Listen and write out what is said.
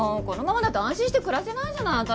このままだと安心して暮らせないじゃない！